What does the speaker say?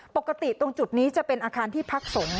ปกติตรงจุดนี้จะเป็นอาคารที่พักสงฆ์